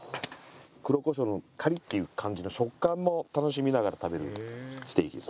黒コショウのカリッていう感じの食感も楽しみながら食べるステーキです。